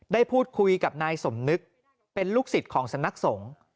ได้พูดคุยกับนายสมนึกเป็นลูกศิษย์ของสำนักสงฆ์